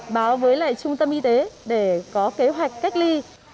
báo với lại trung tâm y tế để có kế hoạch cách ly